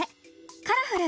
「カラフル！